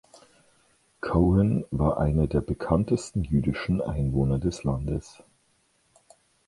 Cohen war einer der bekanntesten jüdischen Einwohner des Landes.